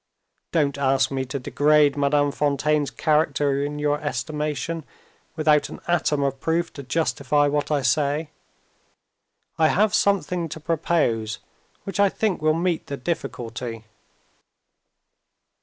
Don't ask me to degrade Madame Fontaine's character in your estimation, without an atom of proof to justify what I say. I have something to propose which I think will meet the difficulty."